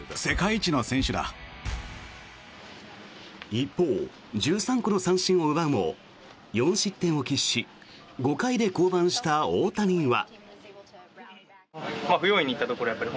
一方、１３個の三振を奪うも４失点を喫し５回で降板した大谷は。